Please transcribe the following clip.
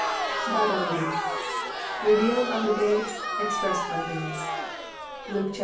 BIBLE READING Revealed unto Babes Expressed by Babes. Luke 2:41 49.